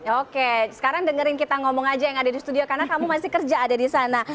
oke sekarang dengerin kita ngomong aja yang ada di studio karena kamu masih kerja ada di sana